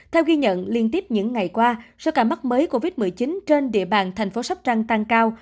theo ghi nhận liên tiếp những ngày qua số ca mắc mới covid một mươi chín trên địa bàn thành phố sóc trăng tăng cao